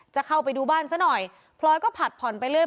จะเข้าไปดูบ้านซะหน่อยพลอยก็ผัดผ่อนไปเรื่อย